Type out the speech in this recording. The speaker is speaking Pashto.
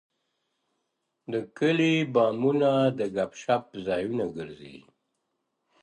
د کلیو بامونه د ګپ شپ ځایونه ګرځي.